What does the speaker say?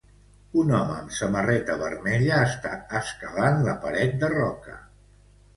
Un home amb samarreta vermella està escalant la paret de roca.